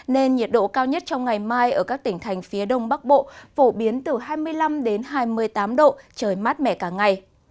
nên nhiệt độ cao nhất trong ngày mai ở các tỉnh thành phía đông bắc bộ phổ biến từ hai mươi năm hai mươi tám độ trời mát mẻ cả ngày